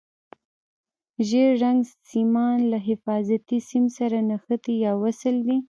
ژیړ رنګ سیمان له حفاظتي سیم سره نښتي یا وصل دي.